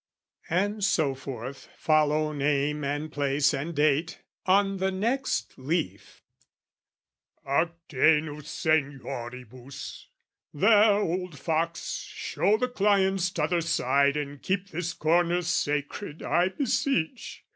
And so forth, follow name and place and date: On the next leaf "Hactenus senioribus! "There, old fox, show the clients t'other side "And keep this corner sacred, I beseech!